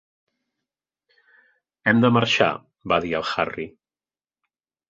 "Hem de marxar", va dir el Harry.